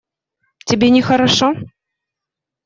Тебе нехорошо?